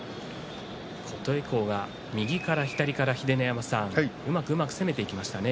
琴恵光が右から左からうまくうまく攻めていきましたね。